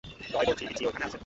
রয় বলছি, রিচি ঐখানে আছে?